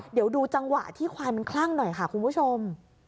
เดี๋ยวดูจังหวะที่ควายมันคลั่งหน่อยค่ะคุณผู้ชม